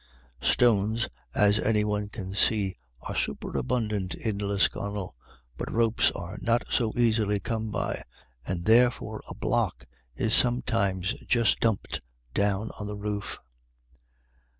Stones, as any one can see, are superabundant in Lisconnel, but ropes are not so easily come by, and therefore a block is sometimes just dumped down on the roof.